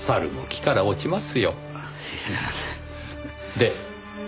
で？